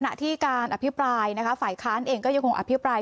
ขณะที่การอภิปรายนะคะฝ่ายค้านเองก็ยังคงอภิปราย